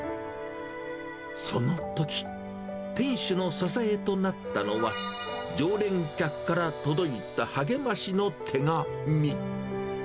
そのとき、店主の支えとなったのは、常連客から届いた励ましの手紙。